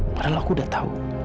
padahal aku udah tahu